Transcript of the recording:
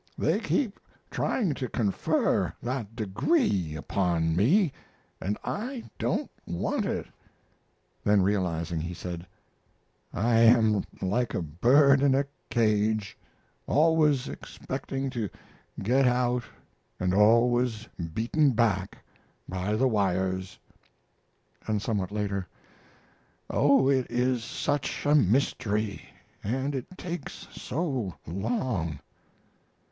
They keep trying to confer that degree upon me and I don't want it." Then realizing, he said: "I am like a bird in a cage: always expecting to get out, and always beaten back by the wires." And, somewhat later: "Oh, it is such a mystery, and it takes so long."